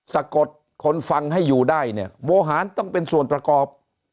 สะกดคนฟังให้อยู่ได้เนี่ยโวหารต้องเป็นส่วนประกอบ